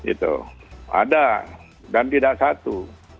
itu ada dan tidak satu